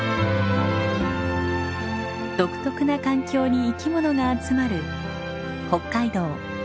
独特な環境に生き物が集まる北海道ヨコスト湿原。